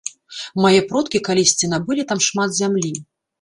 Мае продкі калісьці набылі там шмат зямлі.